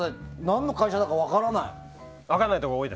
何の会社だか分からない。